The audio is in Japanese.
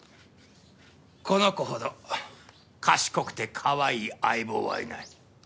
この子ほど賢くてかわいい相棒はいない。